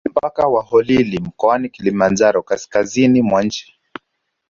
Mpaka wa Holili mkoani Kilimanjaro kaskazizini mwa nchi